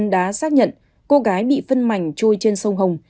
nạn nhân đã xác nhận cô gái bị phân mảnh trôi trên sông hồng